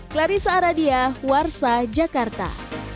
clarissa aradia warsa jakarta